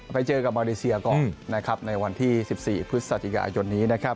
ไปเจอกับมาริเศียก่อนนะครับในวันที่สิบสี่พฤษฎิกายนี้นะครับ